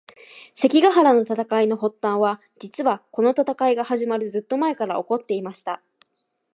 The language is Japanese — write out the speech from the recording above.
関ヶ原の戦いの発端は、実はこの戦いが始まるずっと前から起こっていました。